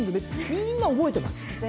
みんな覚えてます。